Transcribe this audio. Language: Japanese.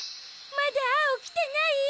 まだアオきてない？